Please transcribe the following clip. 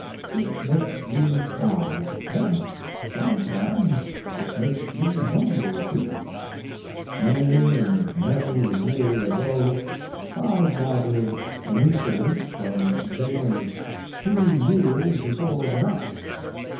It makes me proud and sometimes it makes me humble, too. Many and many a year ago I gathered an incident from Dana's Two Years Before the Mast.